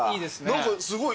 何かすごい。